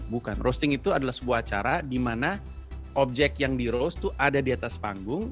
bukan roasting itu adalah sebuah acara di mana objek yang di roast itu ada di atas panggung